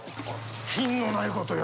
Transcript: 品のないことよ。